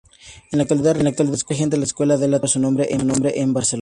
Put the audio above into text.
En la actualidad regenta la escuela de tenis que lleva su nombre, en Barcelona.